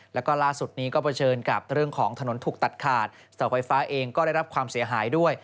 แล้วก็ล่าสุดนี้ก็เผชิญกับเรื่องของถนนถูกตัดขาดเสาไฟฟ้าเองก็ได้รับความเสียหายด้วย